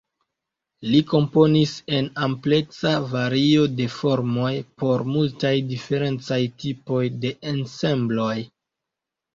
Li komponis en ampleksa vario de formoj por multaj diferencaj tipoj de ensembloj.